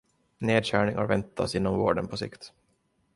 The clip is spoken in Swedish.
Nedskärningar väntas inom vården på sikt.